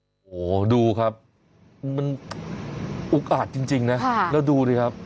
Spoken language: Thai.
โอ้โหดูครับมันอุกอาจจริงนะแล้วดูดิครับ